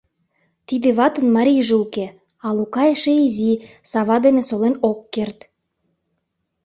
Тиде ватын марийже уке, а Лука эше изи, сава дене солен ок керт.